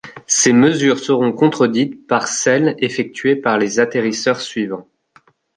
Ces mesures seront contredites par celles effectuées par les atterrisseurs suivants.